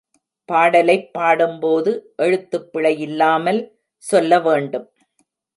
பாடலைப் பாடும்போது எழுத்துப் பிழை இல்லாமல் சொல்ல வேண்டும்.